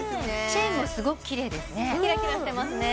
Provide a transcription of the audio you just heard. チェーンもすごく綺麗ですね